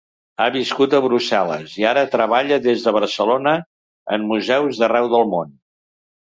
Ha viscut a Brussel·les i ara treballa des de Barcelona en museus d'arreu del món.